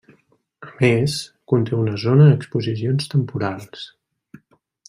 A més, conté una zona d'exposicions temporals.